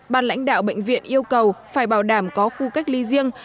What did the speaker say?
ban lãnh đạo bệnh viện yêu cầu phải bảo đảm có khu cách ly riêng